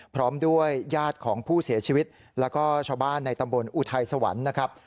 พร้อมด้วยญาติของผู้เสียชีวิตแล้วก็ชาวบ้านในตำบลอุทัยสวรรค์นะครับ